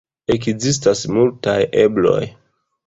Ekzistas multaj ebloj.